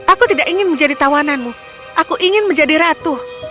aku tidak ingin menjadi tawananmu aku ingin menjadi ratu